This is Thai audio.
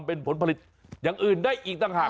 เป็นผลผลิตอย่างอื่นได้อีกต่างหาก